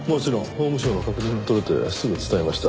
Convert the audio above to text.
法務省の確認が取れてすぐ伝えました。